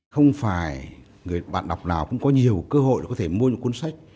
không phải người bạn đọc nào cũng có nhiều cơ hội để có thể mua những cuốn sách